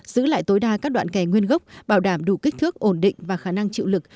giữ lại tối đa các đoạn kẻ nguyên gốc bảo đảm đủ kích thước ổn định và khả năng chịu lực